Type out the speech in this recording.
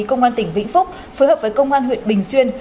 công an tỉnh vĩnh phúc phối hợp với công an huyện bình xuyên